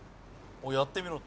やってみろって？